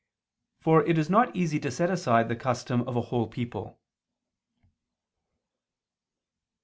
For it is not easy to set aside the custom of a whole people.